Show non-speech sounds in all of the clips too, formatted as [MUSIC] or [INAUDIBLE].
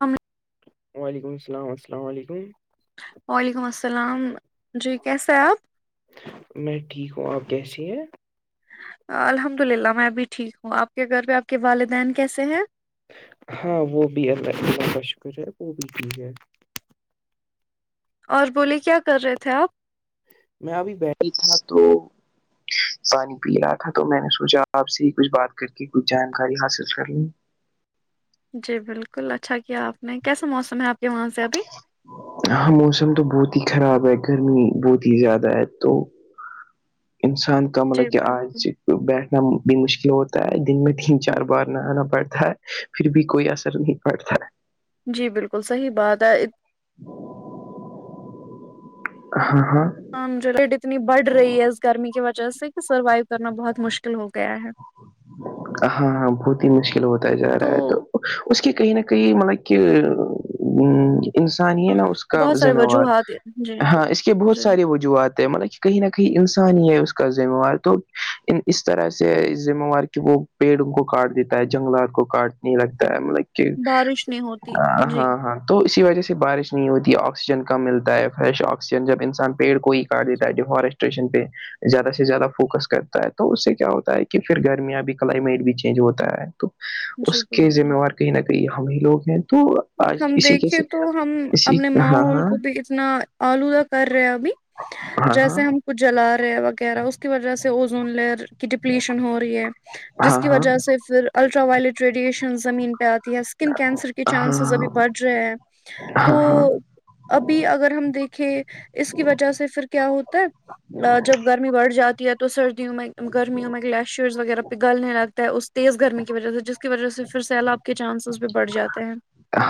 ہم وعلیکم السلام السلام علیکم وعلیکم السلام جی کیسے ہے آپ میں ٹھیک ہوں آپ کیسی ہیں الحمد للہ میں بھی ٹھیک ہوں آپ کے گھر پہ آپ کے والدین کیسے ہیں ہاں وہ بھی اللہ اللہ کا شکر ہے وہ بھی یک ہے اور بولیے کیا کر رہے تھے آپ میں ابھی بیٹھل تھا تو پانی پی رہا تھا تو میں نے سوچا آپ سے ہی کچھ بات کر کے کچھ جانکاری حاصل کر لی جی بالکل اچھا کیا آپ نے کیسا موسم ہے آپ کے وہاں سے ابھی ہاں موسم تو بہت ہی خراب ہے گرمی بہت ہی زیادہ ہے تو انسان کم جی لگ کہ بالکل آجج بیٹھنا بھی مشکل ہوتا ہے دن میں تین چار بار نہانا پڑتا ہے پھر بھی کوئی اثر نہیں پڑتا ہے جی بالکل صحیح بات ہے [INAUDIBLE] ہاں ہاں ہاں مجھے رٹ اتنی بڑھ رہی ہے اس گرمی کی وجہ سے کہ سروائو کرنا بہت مشکل ہو گیا ہے ہاں بہت ہی مشکل ہوتا جا رہا ہے تو اس کی کہیں نہ کہیں مطلب کہ انسان ہی ہے نہا اس کا بہت سارے ذمہوار وجوہات ہیں۔ جی ہاں اس کے بہت جی ساری جووات ہے مطلب کہ کہیں نہ کہیں انسان ہی ہے اس کا ذمہوار تو اس طرح سے ذمہوار وہ پیڑ ان کو کاٹ دیتا ہے جنگلات کو کاٹنے لگتا ہے مطلب بارش نہیں ہوتی جی ہاں ہاں تو اسی وجہ سے بارش نہیں ہوتی آکسیجن کم ملتا ہے فریش آکسیجن جب انسان پیڑ کو ہی کاٹ لیتا ہے جوب ہارش پہ زیادہ سے زیادہ فوکس کرتا ہے تو اس سے کیا ہوتا ہے کہ پھر گرمیاں بھی کلائمیٹ بھی چینج ہوتا ہے تو جی اس کے بالکل ذمہوار کہیں نہ کہیں ہم ہی لوگ ہیں تو آج ہم اسی کے دیکھیں تو ہم اسی اپنے ہاں ماحول ہاں کو بھی انا آلودہ کر رہے ابھی ہاں جیسے ہم کچھ جلا رہا ہے وغیرہ اس کی وجہ سے اوزون لیئر کی ڈپلیشن ہو رہی ہے جس ہاں کی ہاں وجہ سے پھر الٹرا وائلیٹ ریڈیشن زمین پہ آتی ہے اسکن کینسر کی ہاں چانسز ابھی ہاں بڑھ رہے ہیں تو ہاں ہاں ابھی اگر ہم دیکھیں اس کی وجہ سے پھر کیا ہوتا ہے جب گرمی بڑھ جاتی ہے تو سردیوں میں گرمیوں میں گلیشیئرز وغیرہ گلنے لگتا ہے اس تیز گرمی کی وجہ سے جس کی وجہ سے پھر سیلاب کے چانسز بھی بڑھ جاتے ہیں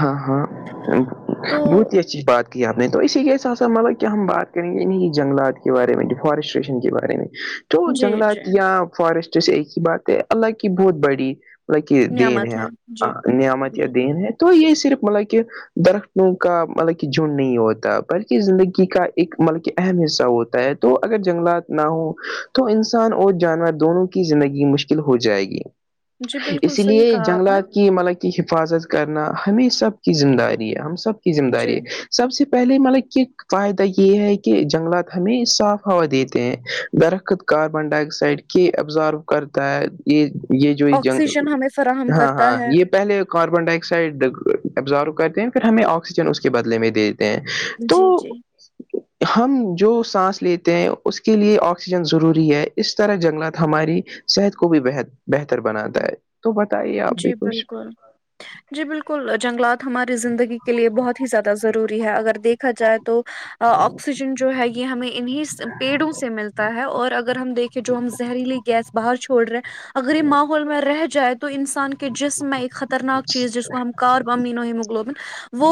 ہاں ہاں تو بہت ہی بات کی ہمپ نے تو اسی کےسا سا مطلب کیا ہم بات کریں گے انہیں جگلات کے بارے میں فارسٹریشن کے بارے میں تو جی جی جنگلات یا فارسٹ سے ایک ہی بات ہے اللہ کی بہت بڑی مطلب کہ دین نعمت ہے جی نعمت یا جی دین ہے تو یہی صرف مطلب کہ درختوں کا مطلب کہ جن نہیں ہوتا بلکہ زندگی کا ایک مطلب کہ اہم حصہ ہوتا ہے تو اگر جنگلات نہ ہوں تو انسان اور جانور دونوں کی زندگی مشکل ہو جائے گی جی بالکل اس صحیح لیے کہا آپ نے جنگلہ کی مطلب کی حفاظت کرنا ہمیں سب کی ذمہ داری ہے ہم سب کی ذمہ جی داری ہے سب سے پہلے مطلب کہک فائدہ یہ ہے کہ جنگلات ہمیں صاف ہوا دیتے ہیں درخت کاربن ڈائی آکسائڈ کی ابزارو کرتا ہے یہ یہ جو یہ جنگ آکسیجن ہمیں فراہم ہاں ہاں کرتا ہے یہ پہلے کاربن ڈائی آکسائڈ ابزارو کرتے ہیں پھر ہمیں آکسیجن اس کے بدلے میں دیتے ہیں جی تو جی ہم جو سانس لیتے ہیں اس کے لیے آکسیجن ضروری ہے اس طرح جنگلات ہماری صحت کو بھی بہتر بناتا ہے تو بتائیے آپ بھی جی کچھ بالکل جی بالکل جنگلات ہماری زندگی کے لیے بہت ہی زیادہ ضروری ہے اگر دیکھا جائے تو تو آکسیجن جو ہے یہ ہمیں انہیں پیڑوں سے ملتا ہے اور اگر ہم دیکھیں جو ہم زہریلی گیس باہر چھوڑ رہے ہیں اگر یہ ماحول میں رہ جائے تو ان انسان کے جسم میں ایک خطرناک چیز جس کو ہم کارب مینو ہیموگلوبن وہ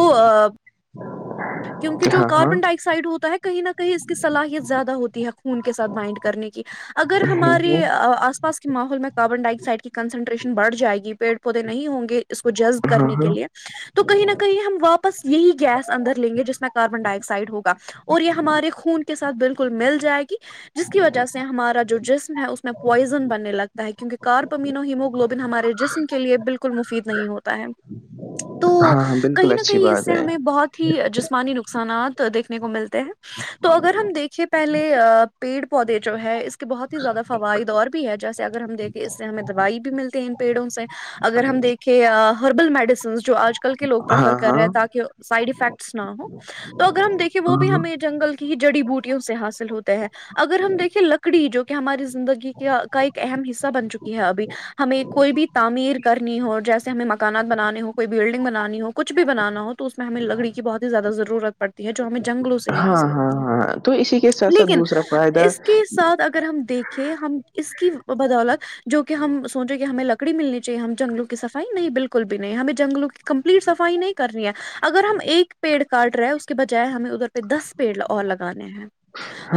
کیونکہ جو ہاں ہاں کاربن ڈائیکس سائڈ ہوتا ہے کہیں نہ کہیں اس کی صلاحیت زیادہ ہوتی ہے خون کے سات بائنڈ کرنے کی اگر ہمارے ہوں، آس پاس کے ماحول میں کاربن ڈائی آکسائڈ کی کنسن ن بڑھ جائے گی پیڑ پودے نہیں ہوں گے اس کو جب ہاں کرنے کے ہاں لیے تو کہیں نہ کہیں ہم واپ بس یہی گیس اندر لیں گے جس میں کاربن ڈائی آکسائڈ ہوگا اور یہ ہمارے خون کے ساتھ بالکل مل جائے گی جس کی وجہ سے ہمارا جو جسم ہے اس میں پوائزن بننے لگتا ہے کیونکہ کارپمینو ہیمو گلوبن ہمارے جسم کے لیے بالکل مفید نہیں ہوتا ہے تو ہاں ہاں بالکل کہیں نہ اچھی کہیں اس بات سے ہے ہمیں بہت جسمانی نقصانات دیکھنے کو ملتے ہیں تو اگر ہم دیکھیے پہلے پیڑ پودے جو ہے اس کے بہت ہی زیادہ فوائد اور ہے جیسے اگر ہم دیکھیں اس سے ہمیں دوائی بھی ملتی پیڑوں سے اگر ہم دیکھے ہربل میڈیسنس جو آج کل کے لوگ پریفر ہاں کر ہاں رہے ہیں تاکہ سائڈ افیکٹس نہ ہ تو اگر ہم دیکھیں وہ بھی ہاں ہمیں جنگل ہی جڑی بوٹییاوں سے حاصل ہوتے ہیں اگر ہم دیکھے لکڑی جو کہ ہماری زندگی کا کا ایک اہم حصہ بن چکی ہے ابھی ہمیں کوئی بھی تم کرنی ہو جیسے ہمیں مکانات بنانے ہو کوئی بلڈنگ بنانی ہو کچھ بھی بنانا ہو تو اس میں ہمیں لگڑی کی بہت ہی زیادہ ضرورت پڑتی ہے جو ہمیں جنگلوں سے ہی ہاں حاصل ہاں ہوتی ہے ہاں تو اسی کے ساتھ ساتھ لیکن دوسرا فائدہ اس کے ساتھ اگر ہم دیکھیں ہم اس کی بدولت جو کہ ہم سوچ کہ ہمیں لکڑی ملنی چاہے ہم جگلوں کی صفائی نہیں بالکل بھی نہیں ہمیں جگلوں کی کمپلیٹ صفائی نہیں کرنی ہے اگر ہم ایک پیڑ کاٹ رہے ہیں اس کے بجائے ہمیں ادھر پہ دس پیڑ اور لگانے ہیں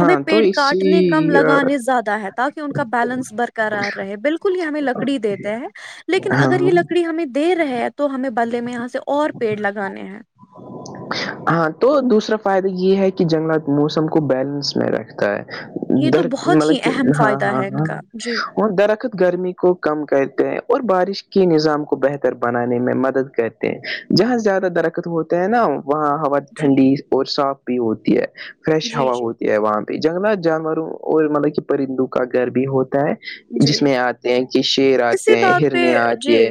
ہمیں تو پیڑ اسی کاٹنے کم ہاں لگانے زیادہ ہے کہ ان کا بیلنس برقرار رہے بالکل یہ ہمیں لگتا لکڑی دیتے ہیں لیکن ہاں اگر یہ لکڑی ہمیں دے رہے ہیں تو ہمیں بلے میں یہاں سے سے اور پیڑ لگانے ہیں ہاں تو دوسرا فائدہ یہ ہے کہ جنگلات موسم کو بیلنس میں رکھتا یہ ہے تو در بہت ہی مطلب کہ اہم ہاں فائدہ ہاں ہے ان ہاں کا جی وہ درخت گرمی کو کم کرتے ہیں اور بارش کے نظام کو بہتر بنانے میں مدد کرتے جہاں سے زیادہ درخت ہوتا ہے نا وہاں ہوا جی ٹھنڈی اور صاف بھی ہوتی ہے فریش جی ہوا جی ہوتی ہے وہاں پہ جنگلات جانوروں اور مطلب کہ پرندوں کا گھر بھی ہوتا ہے جی جس میں آتے ہیں کہ شیر اسی آتے ہیں بات پہ ہرن آتی ہے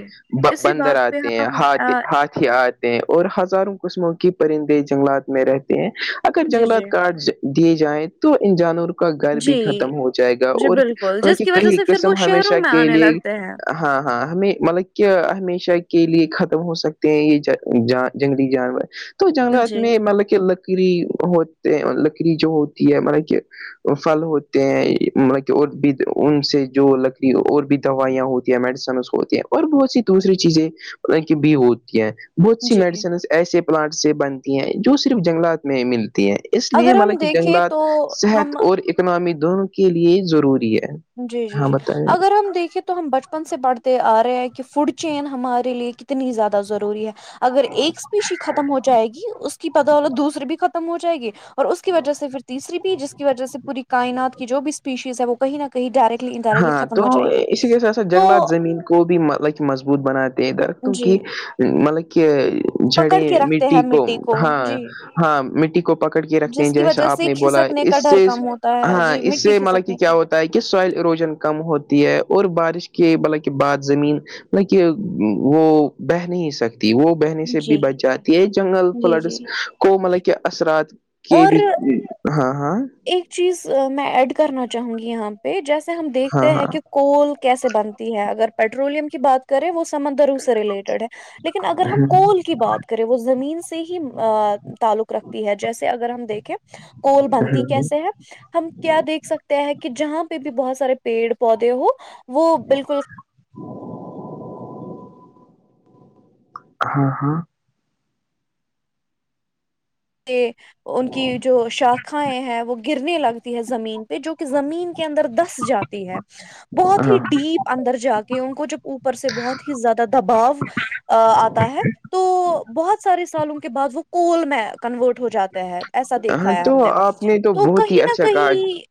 بندر آتے ہیں ہج ہ آتے ہیں اور ہزاروں قسموں کی پرندے جنگلات میں رہتے ہیں اگر جی جی جنگلات کارڈ دیے جائیں تو ان جانوروں کو کا گھر بھی جی ختم ہو جائے گا جی اور بالکل مطلب جس کہ کی وجہ کئی سے پھر وہ قسم شہروں ہمیشہ میں کے آنے لیے لگتے ہیں ہاں ہاں ہمیں مل ہمیشہ کے لیے ختم ہو سکتے ہیں یہ جنگلی جانور تو جنگلات جی میں مطلب کہ لکڑی ہوتے لکڑی جو ہوتی ہے مطلب کہ پھل ہوتے ہیں مطلب کہ اور بھی ان سے جو اور بھی دوائیاں ہوتی میڈیسن اس کو ہوتی ہیں اور بہت سی دوسری چیزیں کی بھی ہوتی ہیں بہت سی جی میڈیسن ایسے پلانٹ سے بنتی ہیں جو صرف جنگلات میں ملتی ہیں اس لیے اگر ہم مطلب کہ دیکھیں جنگلات تو صحت ہم اور اکنامی دونوں کے لیے ضروری ہے جی جی ہاں جی بتائیے اگر ہم دیکھے تو تو ہم بچپن سے پڑھتے آ رہے ہیں کہ فوڈ چین ہمارے لیے کتنی زیادہ ضروری ہے اگر ایک اسپیشی ختم ہو جائے گی اس کی پتہ ہوو دوسرے بھی ختم ہو جائے گی اس کی وجہ سے پھر تیسری بھی جس کی وجہ سے پوری کائنات کی جو بھی اسپیشیز ہے وہ کہیں نہ کہئی ڈائریکٹ ہاں تو اسی کیس ایسا جنگلات زمین تو بھی مطلب کہ مضبوط بناتے ہیں درختوں جی کی مطلب کہ جڑے پکڑ کے رکھتے مٹی ہیں کو ہاں جی ہاں مٹی کو پکڑ کے رکھتے ہیں جس کی وجہ جیسا آپ سے نے بولا کھسکنے اس کا ڈر سے کم ہوتا ہے ہاں جی اس مٹی سے مطلب کہ کھسکنے کیا کا ہوتا تاکہ سوائل اروجن کم ہوتی ہے اور بارش کے ب کے بعد زمین م کہ وہ بہ نہیں سکتی وہ بہنے سے بھی جی بچ جاتی ہے جنگل جی جی فلڈس کو مطلب کہ اثرات کہ اور بھی ہاں ہاں ایک چیز میں ایڈ کرنا چاہوں گی یہاں پہ جیسے ہم ہاں دیکھتے ہیں ہاں کہ کول کیسے بنتی ہے اگر پیٹرولم کی بات ے وہ سمندروں سے ریلیٹڈ ہے لیکن اگر ہم کول کی بات کر وہ زمین سے ہی تعلق رکھتی ہے جیسے اگر ہم دیکھیں کول بنتی ہاں کیسے ہم کیا دیکھ سکتے ہیں کہ جہاں پہ بھی بہت سارے پیڑ پودے ہو وہ بالکل ہاں ہاں کہ ان کی جو شاخائیں ہیں وہ گرنے لگتی ہے زمین پہ جو کہ زمین کے اندر دس جاتی ہے بہت ہی ہاں ڈیپ اندر جا کے ان کو جب اوپر سے بہت ہی زیادہ دباؤ آتا ہے تو بہت سارے سالوں کے بعد وہ کول میں کنورٹ ہو جاتا ہے ایسا ہاں دیکھا ہے تو ہم نے آپ تو بہت ہی کہیں نہ اچھا کہا کہیں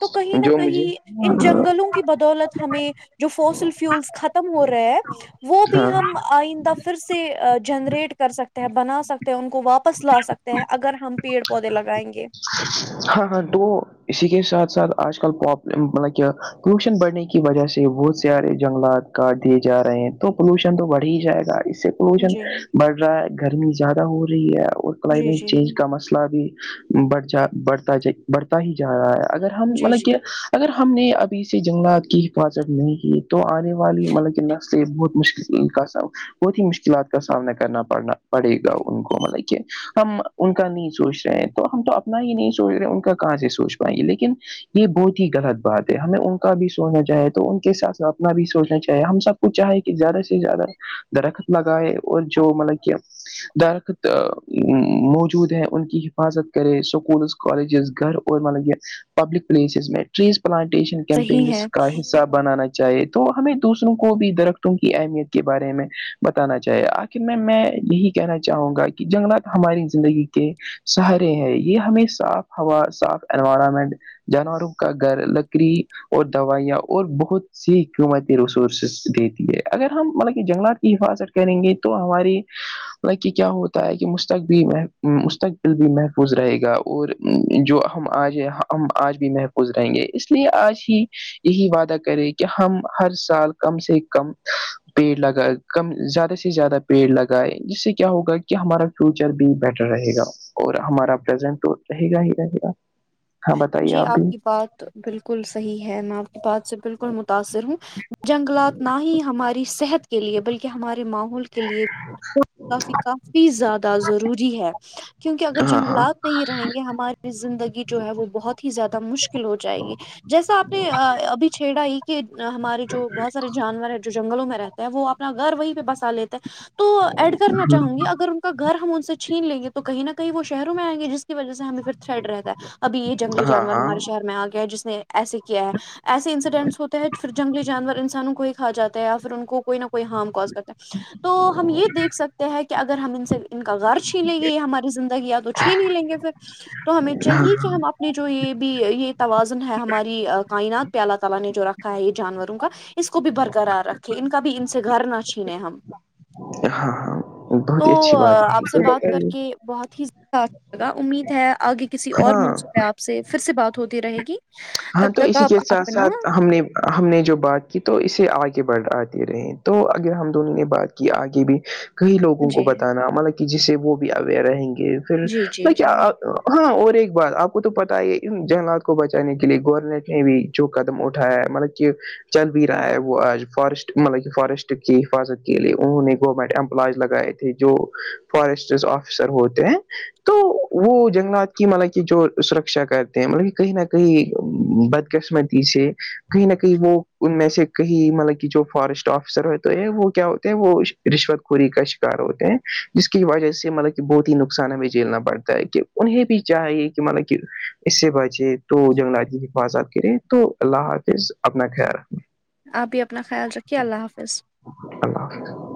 تو کہیں نہ جو مجھے کہیں ان جنگلوں کی بدولت ہمیں جو فوسل فیولس ختم ہو رہے ہیں وہ بھی ہاں ہم آئندہ پھر سے جنریٹ کر سکتے ہیں بنا سکتے ان کو واپس لا سکتے ہیں اگر ہم پیڑ پودے لگائیں گے ہاں ہاں تو اسی کے ساتھ ساتھ آج کل مطلب کہ پولوشن بڑھنے کی وجہ سے بہت سیارے جنگلات کاٹ دیے جا رہے ہیں تو پولوشن تو بڑھ ہی جائے گا اس سے پولوشن جی بڑھ رہا ہے گرمی زیادہ ہو رہی ہے اور جی کلائمیٹ جی چینج کا مسئلہ بھی بھ جا بڑھتا بڑھتا ہی جا رہا ہے اگر ہم جی مطلب جی کہ اگر ہم نے ابھی سے جنگلات کی حفاظت نہیں کی تو آنے والی مطلب کہ نسلیں بہت مشکل کا بہت ہی مشکلات کا سامنا کرنا پڑنا پڑے گا ان کو مطلب کہ ہم ان کا نہیں سوچ رہے ہیں تو ہم تو اپنا ہی نہیں سوچ رہے ان کا کہاں سے سوچ پائیں گے لیکن یہ بہت ہی غلط بات ہے ہمیں ان کا بھی سوچنا چاہے تو ان کے ساتھ اپنا بھی سوچنا چاہیے ہم سب وہ چاہے کہ زیادہ سے زیادہ درخت لگائے اور جو مطلب کہ درخت موجود ہیں ان کی حفاظت کرے سکولز کالجز گھر اور مطلب یہ پبلک پلیسز میںز پلانٹیشن صحیح ہے کیمپنگز کا حہ صا بنانا چاہیے تو ہمیں دوسروں کو بھی درختوں کی اہمیت کے بارے میں بتانا چاہیے آخر میں میں یہی کہنا چاہوں گا کہ جنگلات ہماری زندگی کے سہرے ہیں یہ ہمیں صاف ہوا صاف انوائرمنٹ جانوروں کا گھر لکڑی اور دوائیاں اور بہت سی قیمتی ریسورسز دیتی ہے اگر ہم مطلب کہ جنگلات کی حفاظت کریں گے تو ہماری ل کہ کیا ہوتا ہے کہ مستق بھی مک بھی محفوظ رہے گا اور جو ہم آج ہم آج بھی محفوظ رہیں گے اس اس لیے آج ہی یہی وعدہ کرے کہ ہم ہر سال کم سے کم پیڑ لگائے کم زیادہ سے زیادہ پیڑ لگائے جس سے کیا ہوگا کہ ہمارا فیوچر بھی بیٹر رہے گا اور ہمارا پرزینٹ تو رہے گا ہی رہے گا ہاں بتائیے جی آپ بھی کی بات بالکل صحیح ہے میں آپ کی بات سے بالکل متاثر ہوں جنگلات نہ ہی ہماری صحت کے لیے بلکہ ہمارے ماحول کے لیے کافی کافی زیادہ ضروری ہے کیونکہ اگر جنگلات نہیں رہیں گے ہماری زندگی جو ہے وہ بہت ہی زیادہ مشکل ہو جائےیں گی جیسا آپ نے ابھی چھیڑا ایک کہ کہ ہمارے جو بہت سارے جانور ہے جو جنگلوں میں رہتا ہے وہ اپنا گھر وہیں پہ بسا لیتے ہیں تو ایڈ کرنا چاہوں گی اگر ان کا گھر ہم ان سے چھین لیں گے تو کہیں نہ کہیں وہ شہروں میں آئ گے جس وجہ سے ہمیں پھر تھریڈ رہتا ہے ابھی یہ جنگلی جانور ہمارے شہر میں آ گیا ہے جس نے ایسے کیا ہے ایسے انسیڈینٹس ہوتے ہیں پھر جنگلی جانور انسانوں کو ہی کھااتے ہے یا پھر ان کوئی نہ کوئی ہارم کوز کرتا ہے تو ہم یہ دیکھ سکتے ہیں کہ اگر ہم ان سے ان کا غار چھین لیں گے ہماری زندگی یا تو ہی نہیں لیں گے پھر تو ہمیں چاہیے کہ ہم آپ کو نے جو یہ بھی یہ توازن ہے ہماری کائنات پہ اللہ تعالی نے جو رکھا ہے یہ جانوروں کا اس کو بھی برقرار رکھے ان کا بھی ان سے گھر نہ چھین ہم ہاں ہاں تو بہت ہی اچھی بات آپ ہے سے تو بات کر بتائیے کے بہت ہی زد لگا امید ہے آگے کسی اور ہاں موضع پہ آپ سے پھر سے بات ہوتی رہے گی ہاں تب تو تک اسی آپ کے ساتھ اپنا ساتھ ہم نے ہم نے جو بات کی تو اسے آگے بڑھاتے رہے تو اگر ہم دونوں نے بات کی آگے بھی کئی لوگوں کو جی بتانا مطلب کہ جسے وہ بھی اوئر رہیں گے پھر جی جی مط کہ جی ہاں اور ایک بات آپ کو تو پتا ہے یہ ان جنلات کو بچانے کی کے لیے گورر نے کہیں بھی جو قدم اٹھایا ہے مطلب کہ چل بھی رہا ہے وہ آج فارسٹ مطلب کہ فارسٹ کی حفاظت کے لیے انہوں نے گورنمنٹ امپلائز لگائے تھے جو فارسٹ آفیسر ہوتے ہیں تو وہ جنگلات کی مطلب کہ جو سرکشا کرتے ہیں مطلب کہ کہیں نہ کہیں بدقسمتی سے کہیں نہ کہیں وہ ان میں سے کہیں مطلب کہ جو فارسٹ آفیسر ہوتے تو وہ کیا ہوتے ہیں وہ رشوت خوری کا شکار ہوتے ہیں جس کی وجہ سے مطلب بہت ہی نقصان ہمیں جھیلنا پڑتا ہے کہ انہیں بھی چاہیے کہ ملب کہ اس سے بچے تو جنگلات جی کی حفاظات کرے تو اللہ حافظ اپنا خیال رکھنا آپ بھی اپنا خیال رکھیے اللہ حافظ اللہ حافظ